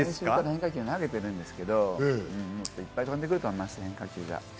変化球を投げてるんですけど、いっぱい飛んでくると思います。